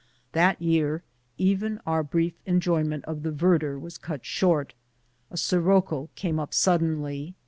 That year even our brief enjoyment of the verdure was cut short. A si rocco came up suddenly.